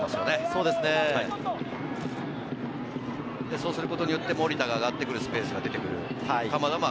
そうすることによって守田が上がるスペースが出てくる。